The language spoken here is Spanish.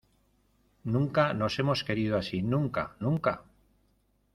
¡ nunca nos hemos querido así! ¡ nunca !¡ nunca !...